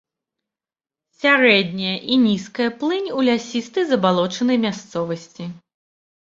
Сярэдняя і нізкая плынь ў лясістай забалочанай мясцовасці.